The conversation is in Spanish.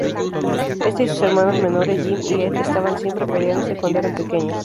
Éste y sus hermanos menores, Jim y Ed, estaban siempre peleándose cuando eran pequeños.